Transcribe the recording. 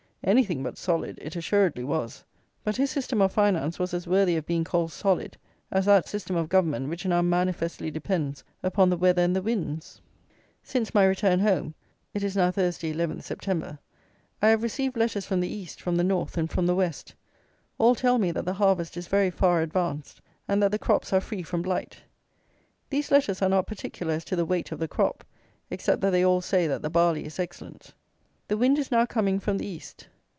Anything but solid it assuredly was; but his system of finance was as worthy of being called solid, as that system of Government which now manifestly depends upon the weather and the winds. Since my return home (it is now Thursday, 11th September), I have received letters from the east, from the north, and from the west. All tell me that the harvest is very far advanced, and that the crops are free from blight. These letters are not particular as to the weight of the crop; except that they all say that the barley is excellent. The wind is now coming from the east.